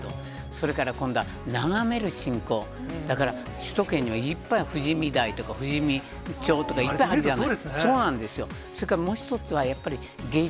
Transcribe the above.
それから今度は眺める信仰だから首都圏にはいっぱい、富士見台とか、富士見町とかいっぱいあるじゃない。